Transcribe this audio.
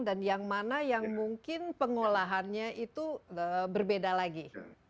dan yang mana yang mungkin pengolahannya itu berbeda lagi